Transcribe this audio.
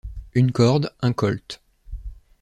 Une corde, un Colt...